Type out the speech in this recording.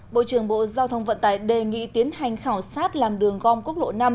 bộ trưởng bộ giao thông vận tải đề nghị tiến hành khảo sát làm đường gom quốc lộ năm